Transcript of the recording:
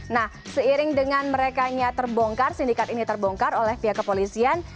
nah seiring dengan merekanya terbongkar sindikat ini terbongkar oleh pihak kepolisian